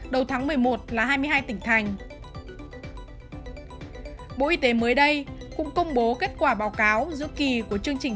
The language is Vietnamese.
đầu tháng một mươi một là hai mươi hai tỉnh thành bộ y tế mới đây cũng công bố kết quả báo cáo giữa kỳ của chương trình